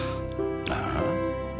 ああ？